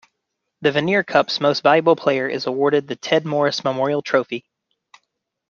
The Vanier Cup's most valuable player is awarded the Ted Morris Memorial Trophy.